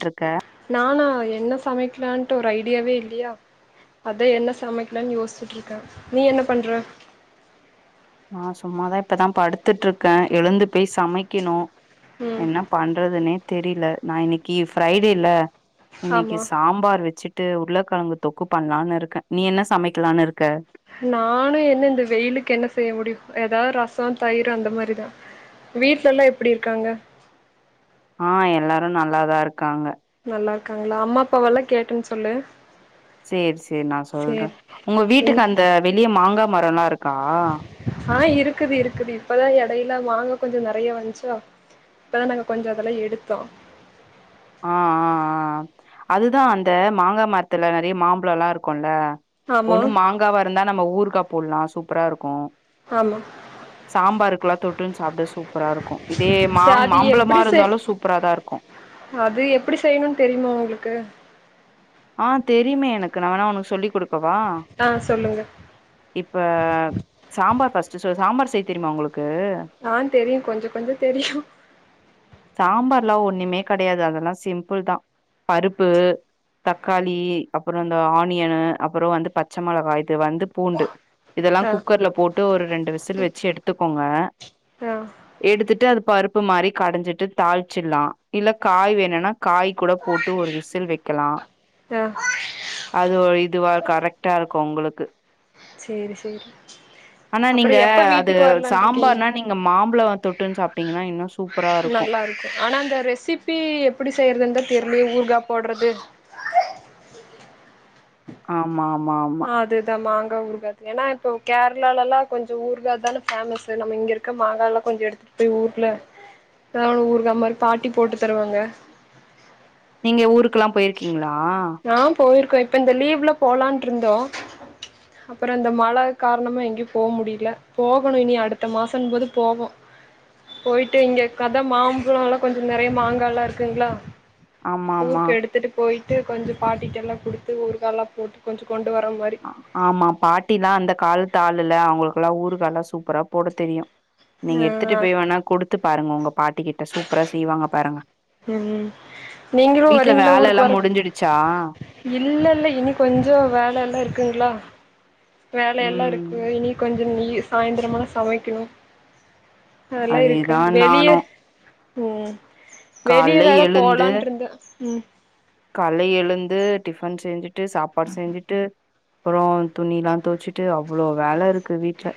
ட்ருக்க நானா என்ன சமை லட்டு ஒரு ஐடியாவே இல்லையா அத என்ன சமைக்கலனு யோசிச்சுட்டு இருக்கே நீ என்ன பண்ற நான் சும்மாதான் இப்பதான் படுத்துட்டு இருக்கே எழுந்து போய் சமைக்கணு ம் என்ன பண்றதுனே தெரில நான் இன்னைக்கு ஃரைடேல இன்னைக்கு ஆமா சாம்பார் வச்சுட்டு ட்டு உருளைக்கெழங்கு தொக்கு பண்ணலான்னு இருக்கே நீ என்ன சமைக்கலாம்னுக்க நானும் என்ன இந்த வெயிலுக்கு என்ன செய்ய முடியும் ஏதாவது ரசம் தயிர் அந்த மாரிதான் வீடல எல்லாம் எப்படி இருக்காங்க ஆ எல்லாரும் நல்லாதான் இருக் காங்க உங்க அம்மா அப்பா வல்லாம் கேட்டுன்னு சொல்லு செரி செரி செரி நான் சொல்றே சேரி உங்க ம் வீட்டுக்கு அந்த வெளிய மாங்காய் மரம் எல்லாம் இருக்கு ஆ இருக்குது இருக்குது இப்பதா எடையில வாங்கு கொஞ்சோ நெறைய வந்துச்சா இப்பதா நாங்க கொஞ்ச அதெல்லா எடுத்தோ ஆ ஆ ஆ ஆ அதுதா அந்த மாங்கா மரத்துல நெறைய மாம்பழலா இருக்குல்ல ஆமா ஒன்னு மாங்காவா இருந்தா நம்ம ஊறுக்கா போட்லா சூப்பராருக்கு ஆமா சாம்பாருக்கெல்லாம் தொட்டுன்னு சாப்ட சூப்பராருக்கு இதே சே மாங் அது எப்டி செய் மாம்பழமாருந்தாலு சூப்பரா தா இருக்கு அது எப்படி செய்யணுன்னு தெரியுமா உங்களுக்கு ஆ தெரியுமே எனக்கு நா வேணா உனக்கு சொல்லிக்குடுக் க்கவ ஆ சொல்லுங்க இப்ப சாம்பார் ஃபஸ்ட் ச ச சாம்பார் செய் தெரியுமா உங்களுக் ஆ தெரியு கொஞ்ச கொஞ்ச தெரியு ல்லா ஒன்னுமே கெடையாது அதெல்லா சிம்பிள் தா பருப்பு தக்காளி அப்பற இந்த ஆனியன்னு அப்பற வந்து பச்ச மொளகாப் வந்து பூண்டு இதெல்லா ஆ குக்கர்ல போட்டு ஒரு ரெண்டு விசில் வச்சு எடுத்துக்கோங்க ஆ எடுத்துட்டு அது பருப்பு மாரி கடைஞ்சிட்டு தாளிச்சிட்லா இல்ல காய் வேணுன்னா காய் கூட போட்டு ஒரு விசில் வைக்கலா ஆ அது இதுவா கரெக்ட்டாருக்கு உங்களுக்கு சேரி சேரி ஆனா அப்புற நீங்க எப்ப அது வீட்டுக்கு வரலான் இருக்கீங்க சாம்பார்னா நீங்க மாம்பழோ தொட்டுன்னு சாப்ட்டீங்கன்னா இன் நா சூப் நல்லா இருக்கு ஆனா அந்த ரெசிபி எப்படி செய்யறது தா தெரியலையே ஊறுக்கா போட்றது ஆமா ஆமா, ஆமா. அதுதா மாங் கா ஊறுக்காக்கு ஏன்னா இப்போ கேரளாலல்லா கொஞ்சோ ஊறுக்கா தான ஃபேமஸ் நம்ம இங்க இருக்க மாங்கலா கொஞ்சோ எடுத்துட்டு போய் ஊர்ல எதாவது ஒரு ஊறுக்கா மாரி பாட்டி போட்டு தருவாங்க நீங்க ஊருக்கு க்குல்லா போயிருக்கீங்களா ப்ப இப்ப இந்த லீவ்ல போலான்ட்ருந்தோ அப்பற இந்த மழ காரணமா எங்கயும போ முடியல போகணு இனி அடுத்த மாசங்கம் போது போவோ போயிட்டு இங்க கத மாம்பழோல்லா கொஞ்சோ நெறைய மாங்காலா இருக்குங்களா ஆமா ஆமா ஊருக்கு எடுத்துட்டு போயிட்டு கொஞ்சோ பாட்டிட்டெல்லா குடுத்து ஊறுகாலா போட்டு கொஞ்சோ கொண்டு வர மாதிரி ஆமா பாட்டி தா அந்த காலத் தாளுல அவங்களுக்கெல்லா ஊறுக்கால்லா சூப்பரா போட தெரியு நீங்க ஆஹ் எடுத்துட்டுப்போய் வேணா குடுத்து பாருங்க உங்க பாட்டிக்கிட்ட சூப்பரா செய்வாங்க பாருங்க உம் நீங்களு வீட்ல வரீங்களா ஊருக்கு வேலல்லாம் வர முடிஞ்சிடுச்சா? இல்ல இல்ல இனி கொஞ்சோ வேலல்லா இருக் குங்களா வேலயெல்லா ம். இருக்கு இனி கொஞ்ச இனி சாய்ந்திரமான சமைக்கணு அதேதா நானு உம் வெளியெ வேற போலான்ட்ருந்தெ உம் கால்ல எழுந்து டிஃபன் செஞ்சுட் டு சாப்பாடு செஞ்சிட்டு அப்பறொ துணிலா தொவச்சிட்டு அவ்ளோ வேலருக்கு வீட்ல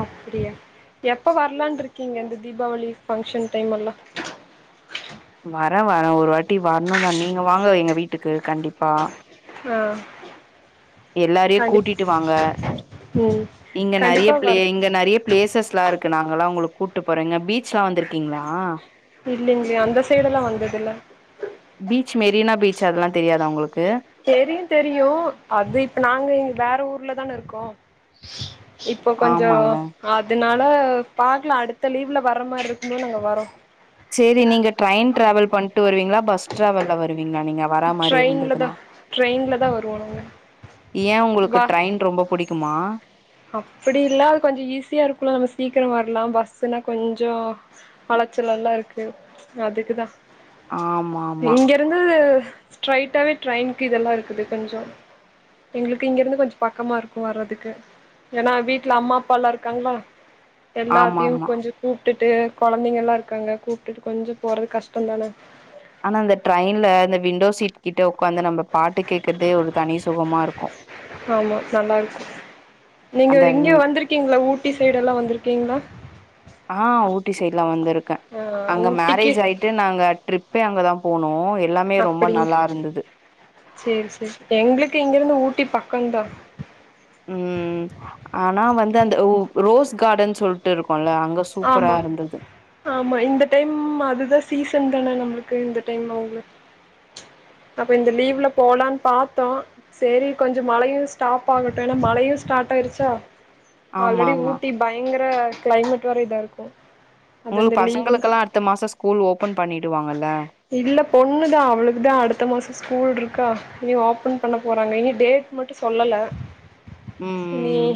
அப்டியா எப்ப வரலான் இருக்கிங்க இந்த தீபாவளி ஃபங்க்ஷன் டைம் எல்லா வரெ வரெ ஒரு வாட்டி வர்ணு தா நீங்க வாங்க எங்க வீட்டுக்கு கண்டிப்பா ஆ எல்லாரையு கண்டிப் கூட்டிட்டு வாங்க ம் இங்க நெறைய கண்டிப்பா ப்ளே வர இங்க நெறைய ப்ளேசஸ்லா இருக்கு நாங்கல்லா உங்களுக் கூட்டு போறெங்க பீச் ச்லா வந்துருக்கிங்ளா இல்லைங்ளே அந்த சைடெல்லா வந்ததில்ல பீச் மெரினா பீச் அத்ல்லா தெரியு தெரியு அது இப் நாங்க இங் வேற ஊர்ல தான இருக்கோ ஓ இப்பொ கொஞ்சொ ஆமால்ல அதுனால் ப பாக்கலா அடுத்த லீவுல வர மாரி இருக்கும்போத் நாங்க வரோ சேரி நீங்க ட்ரெய்ன் ட்ரேவல் பண்ட்டு வருவிங் களா பஸ்ட் தா வெள்ள வருவிங்ளா நீங்க வரா மாரி ட்ரெயின்ல தா இருந்ததுனா ட்ரெயின்ல தா வருவோ நாங்க ஏ உங்களுக்கு ட்ரெய்ன் ரொம்ப புடிக்குமா அப்படில்லா கொஞ்சொ ஈஸியா இருக்குல நம்ம சீக்கிரொ வர்லா பஸ்ஸுனா கொஞ்சொ அலச்சல் லல்லா இருக்கு அதுக்குதா ஆமா ஆமா இங்கெருந்து ஸ்ட்ரைட்டாவே ட்ரெயின்கு இதெல்லா இருக்குது கொஞ்சொ எங்ளுக்கு இங்கிருந்து கொஞ்சொ பக்கமாருக்கு வர்றதுக்கு ஏனா வீட்ல அம்மா அப்பாலா இருக்காங்ளா ஆமா எல்லாத்தியு ஆமா கொஞ்சொ கூப் ட்டுட்டு கொழந்தைங்கல்லா இருக்காங்க கூப்டுட்டு கொஞ்சொ போறது கஷ்டொந்தான ஆனா இந்த ட்ரெயின்ல இந்த விண்டோ சீட் கிட்ட உக்காந்து நம்ம பாட்டு கேக்கறதே ஒரு தனி சுகமா இருக்கு ஆமா நல்லா இருக்கு நீங்க அந்த இங்க ம் வந்ருக்கிங்ளா ஊட்டி சைடெல்லா வந்ருக்கிங்ளா ஆஹ் ஊட்டி சைட்லா வந்துருக்கே ஆ அங்க ஊட்டிக்கு மேரேஜ் ஆயிட்டு நாங்க ட்ரிப் இப்பயு அங்கதா போனோ எல்லாமே ரொம்ப அப்டிங் நல்லா இருந்தது சேரி சேரி எங்ளுக் கு இங்கிருந்து ஊட்டி பக்கந்தா ம் ஆனா வந்து அந்த ஓ ரோஸ் கார்டன் சொல்ட்டுருக் ஆமா ஆமா இந்த டைம் அதுதா சீசன் தான நம்மளுக்கு இந்த டைம்ல ஆவுங்க அப்ப இந்த லீவ்ல போலன் பாத்தோ சேரி கொஞ்சோ மழையு ஸ்டாப் ஆகட்டு ஏனா மழையு ஸ்டாட் ஆயிருச்சா ஆமா ஆல்ரெடி ஆமா ஊட்டி பயங்கர க்ளைமேட் ஒரே இதருக்கு அது அந்த உங்களுக்கு லீவு பசங்களுக்கெல்லா அடுத்த மாச ஸ்கூல் ஓபன் பண்ணிடுவாங்கல்ல இல்ல பொண்ணுதா அவுளுக்குதா அடுத்த மாசோ ஸ்கூல்ட்ருக்கா இங்கியு ஓப்பன் பண்ண போறாங்க இங்க டேட் மட்டு சொல்லல இல்லையே ம்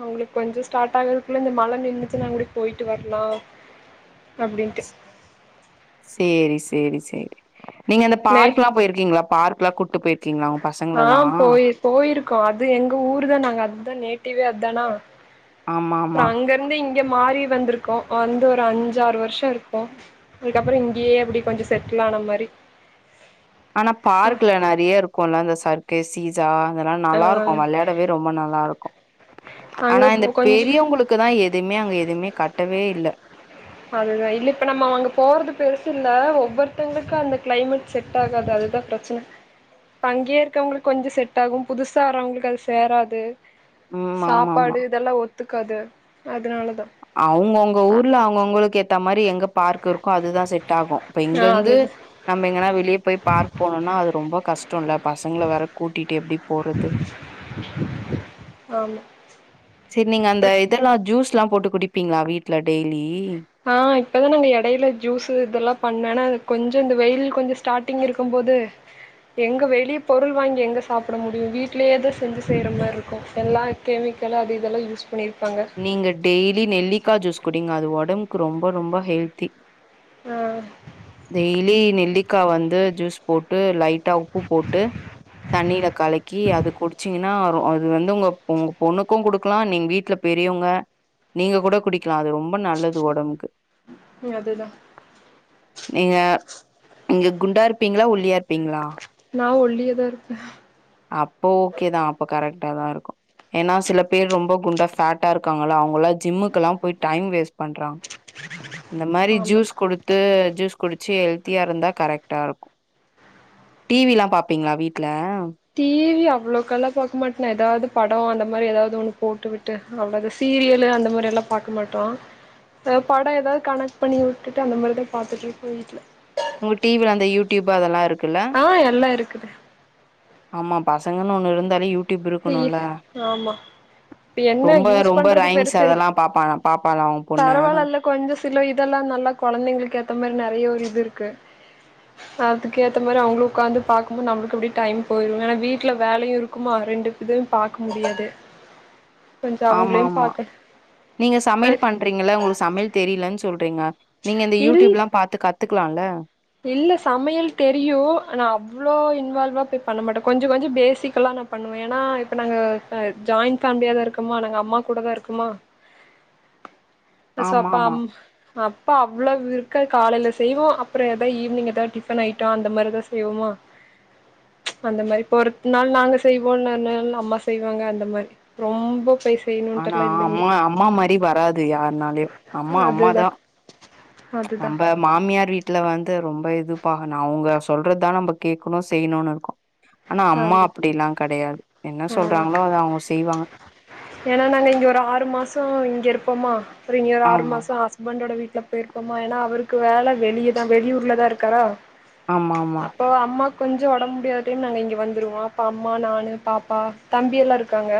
அவுங்ளுக் கொஞ்ச ஸ்டாட் ஆகறகுள்ள இந்த மழ நின்னுச்சினாங்கூடி போய்ட்டு வர்லா அப்டின்ட்டு ஸ் சேரி செரி சேரி நீங்க அந்த நே பார்க் எல்லா போயிருக்கீங்ளா பார்க்குலா கூட்டு போயி ஆ போய் போயிருக்கோ அது எங்க ஊருதா நாங்க அந் தே நேட்டிவ்வே அத்தான ஆமாமா க மாறி வந்துருக்கோ வந்து ஒரு அஞ்சாறு வர்ஷோ இருக்கூ இதுக்கப்றோ இங்கியே அப்டி கொஞ்சோ செட்டில் ஆன மாரி ஆனா பார்க்குல நெறையா இரு க்குல்ல சர்க்கே சீசா இதெல்லா ஆ நல்லாருக்கூ வெளாடவே ரொம்ப நல்லாருக்கூ அங்க ஆனா போ இந்த கொஞ்சோ பெரியவங்களுக்குதா எதுமே அங்க எ எதுமே கட்டவே இல்ல அதுதா இல்ல இப்ப நம்ம அங்க போறது பெருசுல்ல ஒவ்வொருத்தங்ளுக்கு அந்த க்ளைமேட் செட் ஆகாது அதுதா ப்ரச்ன இப்ப அங்கே இருக்கவுங்ளுக்கு கொஞ்சோ செட் ஆகூ புதுசாரவுங்ளுக்கு அது சேராது ம் ஆமாமா. சாப்பாடு இதெல்லா ஒத்துக் கது அதுனால தா அவுங்கவுங்க ஊர்ல அவுங்கவுங்களுக்கு ஏத் த்த மாரி எங்க பார்க்கிருக் கோ அதுதா செட் டாகூ இப்ப ஆ இங்கந்து அதுது நம்ம எங்கனா வெளியே போய் பார்க் போனோனா அது ரொம்ப கஷ்டொல்ல பசங்கள வேற கூட்டிட்டு எப்டி போறது ஆமா செர் நீங்க அந்த இதெல்லா ஜூஸ் லா போட்டு குடிப்பிங்ளா வீட்டுல டெய்லி ஆஹ் இப்பதான் நாங்க இடைல ஜூஸ் இதெல்லா பண்ணே ஏன்னா கொஞ்சோ இந்த வெயில் கொஞ்சோ ஸ்டார்ட்டிங் இருக்கும்போது எங்கே வெளியே பொருள் வாங்கி எங்கே சாப்பிட முடியும் வீட்டிலேயே தான் செஞ்சுகிற மாரி இருக்கூ எல்லா கெமிக்கலும் அது இதெல்லாம் யூஸ் பண்ண நீங்க டெய்லி நெல்லிக்கா ஜூஸ் குடீங்க அது ஒடம்புக்கு ரொம்ப ரொம்ப ஹெல்த்தி டெய்லி நெல்லிக்கா வந்து ஜூஸ் போட்டு லைட்டா உப்பு போட்டு தண்ணில கலக்கி அது குடிச்சீங்கன்னா அது வந்து உங்க உங்க பொண்ணுக்கூ கொடுக்கலாம் நீங்க வீட்ல பெரியவங்க நீங்க கூட குடிக்க க்கலாம் அது ரொம்ப நல்லது ஒடம்புக்கு அதுதா நீங்க நீங்க குண்டா இருப்பீங்களா ஒள்ளியா இருப்பீங்களா நான் ஒள்ளியதான் இருப்பே அப்போ ஓகேதான் அப்ப கரெக்ட்டா தான் இருக்கும் ஏன்னா சில பேர் ரொம்ப குண்டா ஃபேட்டா இருக்காங்கள அவங்க எல்லாம் ஜிம்முக்கு எல்லாம் போய் டைம் வேஸ்ட் பண்றங்க இந்த மாரி ஆமா ஜூஸ் கொடுத்து ஜூஸ் குடிச்சு ஹெல்த்தியா இருந்தா கரெக்டா இருக்கூ டீவி எல்லாம் பார்ப்பீங்களா வீட்டுல டீவி அவ்வளவுக்கெல்லாம் பார்க்க மாட்டே ஏதாவது படம் அந்த மாரி ஏதாவது ஒண்ணு போட்டுவிட்டு அவ்வளவுது சீரியலு அந்த மாதிரி எல்லாம் பார்க்க மாட்டோம் படம் ஏதாவது கனெக்ட் பண்ணி விட்டுட்டு அந்த மாதிரிதான் பார்த்துட்டு இருக்கோம் வீட்டுல உங்க டீவில அந்த யூடியூப் அதெல்லாம் இருக்கு ஆஹ் எல்லாம் இருக்குது சங்க ஒன்ன இருந்தால யூட்டு ஆமா இப்ப என்ன ரொம்ப யூஸ் ரொம்ப பண்றது ரைம்ஸ் பெருச அதெல்லா பாப்பா பாப்பாளா உ பொண்ணு பரவாயில்ல்ல கொஞ்சோ சில இதெல்லாம் நல்லா குழந்தைங்களுக்கு ஏத்த மாரி நிறைய ஒரு இருக்கு அதுக்கு ஏத்த மாரி அவங்களும் உட்காந்து பாக்கும்போது நம்ம எப்படி டைம் போயா வீட்டுல வேலையும் இருக்குமா ரெண்டு எதுவும் பார்க்க முடியாது கொஞ்ச ஆமா அவங்களையு ஆமா பாக்க நீங்க அ சமையல் பண்றீங்க உங்களுக்கு சமையல் தெரியலன்னு சொ சொல்றீங்க நீங்க இந்த இல் யூடியூப் எல்லாம் பாத்து காத்து கத்துக்கலால இல்ல சமையல் தெரியும் நான் அவ்வளோ இன்வால்வா போய் பண்ண மாட்டேன் கொஞ்சோ கொஞ்சோ பேசிக்கல்லாம் நான் பண்ணுவேன் ஏன்னா இப்ப நாங்க ஜாயிண்ட் ஃபேமிலியாதான் இருக்குமா நாங்க அம்மா கூட தான் இருக்குமா சோ ஆமா அப்பா ஆமா அம் அப்ப அவ்வளவு இருக்க காலையில செய்வோம் அப்புறம் ஏ ஈவினிங் ஏ டிபன் ஐ அந்த மாதிரிதான் செய்வோமா அந்த மாதிரி இப்ப ஒருத்த நாள் நாங்க செய்வோம் இ நாள் அம்மா செய்வாங்க அந்த மாதிரி ரொம்ப பச ஆனா அம்மா அம்மா மாதிரி வராது யார்னாலயும் அம்மா அதுதா அம்மாதான் அதுதா நம்ம மாமியார் வீட் வீட்டுல வந்து ரொம்ப இது பா அவங்க சொல்றது தான் நம்ம கேட்கணும் செய்யணும்னு இருக்கோ ஆ என்ன சொல்றாங்களோ அத அவங்க செய்வாங்க ஏன்னா நாங்க இங்க ஒரு ஆறு மாசம் இங்க இருப்போமா ஒரு இன்னொரு ஆறு ஆமா மாசோ ஹஸ்பண்ட்டோட வீட்டில் இருப்பமா ஏன்னா அவருக்கு வேலை வெளியேதான் வெளியூர்ல தான் இருக்காரா ஆமா ஆமா அப்போ அம்மா கொஞ்சோ ஒடம்ப முடியாதுன்னு அங்க வந்துருவா அப்ப அம்மா நானு பாப்பா தம்பி எல்லா இருக்காங்க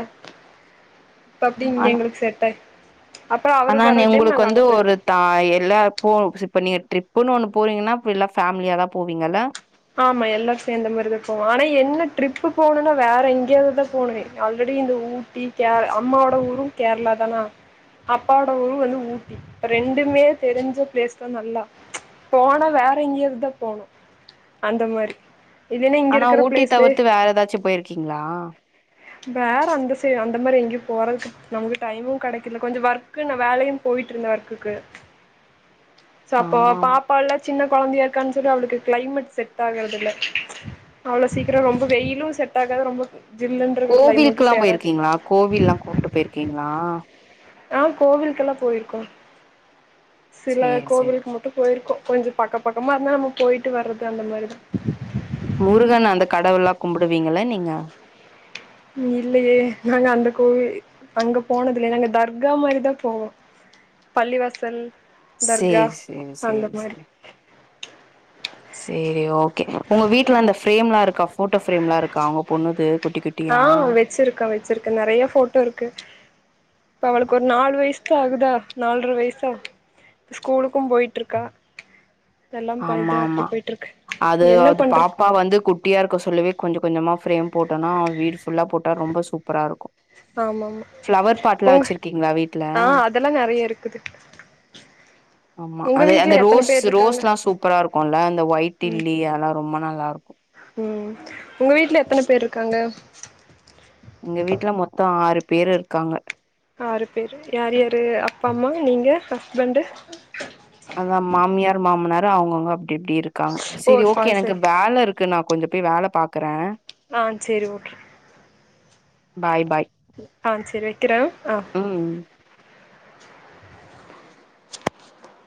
இப்ப அப்டி இங்க எங்களுக் செட்டாய் ஆனானெ உங்களுக்கு வந்து ஒரு தாய் இல்ல போ இப்ப நீக ட்ரிப்புன்னு ஒன்னு போறிங்கனா இப்ப எலா ஃபேமிலியா தா போவிங்கல ஆமா எல்லார் சேந்த மாரிதா போவோ ஆனா என்ன ட்ரிப்பு போணுனா வேற எங்யாவதுதா போணு ஆல்ரெடி இந்த ஊட்டி கே அம்மாவோட ஊரு கேரளா தானா அப்பாவோட ஊரு வந்து ஊட்டி இ ரெண்டுமே தெரிஞ்ச பிளேஸ் தா நல்லா போனா வேற எங்யாவது தா போணு அந்த மாரி இல்லைன்னா இங்க ஆனா இருக்கிற ஊட்டி பிளேஸ்லயே தவிர்த்து வேற ஏதாச்சி பொயிர்க்கிங்ளா வேற அந்த சைட் அந்த மாரி எங்யு போறதுக்கு நமக்கு டைமு கெடைக்கல கொஞ்சொ ஒர்க்கு நா வேலையு பொயிட்ருந்தெ ஒர்க்குக்கு சோ அப்போ ஆமா ஆமா பாப்பால்லா சின்ன குழந்தையா இருக்கான்னு சொல்லி அவளுக்கு கிளைமேட் செட் ஆகறது இல்ல அவ்ளோ சீக்ரொ ரொம்ப வெயிலு செட் ஆகாது ரொம்ப ஜில்லுன்றது கிளைமேட்டு கோவில்க்குலா சேராது பொயிர்க்கிங்ளா கோவில்லா கூட்டு பொயிர்க்கிங்ளா ஆஹ் கோவில்க்கெல்லா பொயிருக்கோ சில சேரி சேரி கோவில்க்கு மட்டு பொயிர்க்கோ கொஞ்சொ பக்க பக்கமா இருந்தா நம்ம போய்ட்டு வர்றது அந்த மாரிதா முருகன் அந்த கடவுள்லா கும்புடுவீங்கள நீங்க இல்லையே நாங்க அந்த கோவில் அங்க போனதில்ல நாங்க தர்கா மாரி தா போவோ பள்ளிவாசல் தர்கா சேர் சேர் அந்த சேரி மாரி சேரி சேரி ஓகே உங்க வீட்ல அந்த ஃப்ரேம்ல்லா இருக்கா போட்டோ ஃப்ரேம்லாம் இருக்கா உங்க பொண்ணுது குட்டி குட்டியா ஆஹ் வெச்சிருக்கே வெச்சிருக்கே நெறையா போட்டோ இருக்கு இப்ப அவளுக்கு ஒரு நாலு வயசு தா ஆகுதா நாலரை வயசா இ ஸ்கூலுக்கு பொயிட்ருக்கா ஆமா ஆமா அது என்ன அது பண்றது பாப்பா வந்து குட்டியா இருக்க சொல்லுவே கொஞ்சொ கொஞ்சமா ஃப்ரேம் போட்டோனா வீடு ஃபுல்லா போட்டா ரொம்ப சூப்பராருக்கு ஆமாமா உங்க வச்சிருக்கீங்களா வீட்ல ஆஹ் அதெல்லா நெறைய இருக்குது ஆமா உங்க அது வீட்ல அந்த எத்தன ரோஸ் பேர் இருக்காங்க ரோஸ்லா சூப்பரா இருக்குல்ல அந்த ஒயிட் டில்லி அதல்லா ரொம்ப நல்லாருக் உம் உங்க வீட்ல எத்தன பேர் இருக்காங்க பேரு இருக்காங்க ஆறு பேரு யார் யாரு அப்பா அம்மா நீங்க ஹஸ்பண்ட்டு அதா மாமியார் மாமனாரு அவுங்கவுங்க அப் எப்டி இருக்காங்க ஓ செரி ஓகே சாரி எனக்கு சாரி வேலருக்கு நா கொஞ்சொ பொய் வேல பாக் க்குறே ஆஹ் சேரி ஓகே பாய் பாய் ஆஹ் செரி வைக்கிறே ஆஹ் ம்